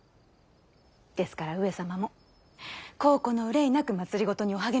ですから上様も後顧の憂いなく政にお励み下さいませ。